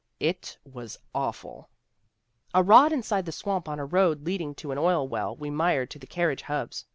It was awful. " 'A rod inside the swamp on a road leading to an oil well we mired to the carriage hubs.